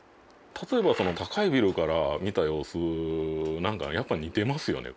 例えば高いビルから見た様子なんかやっぱ似てますよね。